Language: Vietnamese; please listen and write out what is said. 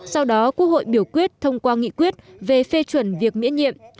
sau đó quốc hội biểu quyết thông qua nghị quyết về phê chuẩn việc miễn nhiệm